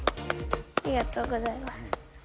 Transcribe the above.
ありがとうございます。